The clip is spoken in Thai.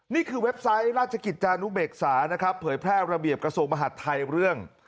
นี่คือเว็บไซต์ราชกิจจานุเบกษานะครับเผยแพร่ระเบียบกระโสมหัฒน์ไทยเรื่อง